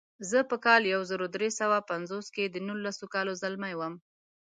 زه په کال یو زر درې سوه پنځوس کې د نولسو کالو ځلمی وم.